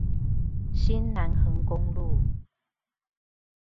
新南橫公路